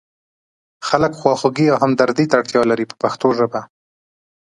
خلک خواخوږۍ او همدردۍ ته اړتیا لري په پښتو ژبه.